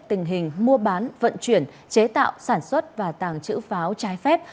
tình hình mua bán vận chuyển chế tạo sản xuất và tàng trữ pháo trái phép